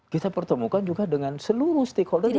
kita pertemukan juga dengan seluruh stakeholder yang ada di